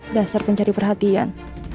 dasar pencari perhatian